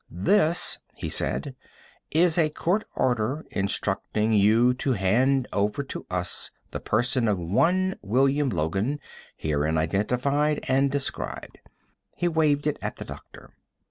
"This," he said, "is a court order, instructing you to hand over to us the person of one William Logan, herein identified and described." He waved it at the doctor.